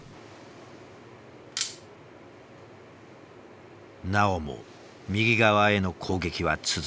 なおも右側への攻撃は続く。